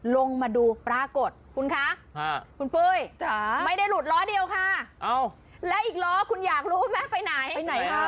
แล้วอีกล้อคุณอยากรู้ไหมไปไหน